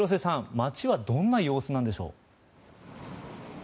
街はどんな様子なんでしょう。